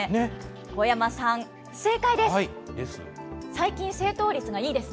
小山さん、正解です。